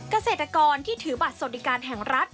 เกษตรกรที่ถือบัตรสวัสดิการแห่งรัฐ